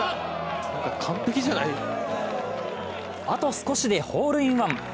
あと少しでホールインワン。